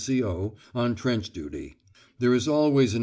O. on trench duty. There is always an N.